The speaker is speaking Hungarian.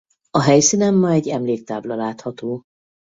A helyszínen ma egy emléktábla látható.